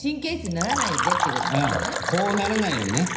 こうならないようにね。